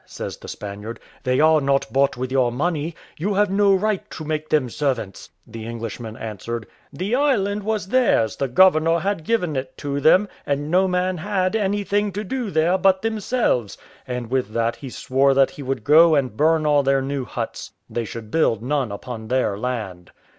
says the Spaniard; "they are not bought with your money; you have no right to make them servants." The Englishman answered, "The island was theirs; the governor had given it to them, and no man had anything to do there but themselves;" and with that he swore that he would go and burn all their new huts; they should build none upon their land.